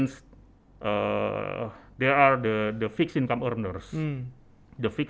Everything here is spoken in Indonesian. berarti ada pendapatan pendapatan pendapatan yang berhasil